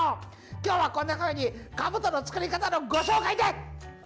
きょうはこんなふうに、かぶとの作り方のご紹介です。